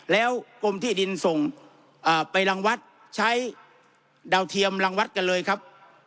แล้วกรมที่ดินส่งไปรังวัดใช้ดาวเทียมรังวัดกันเลยครับ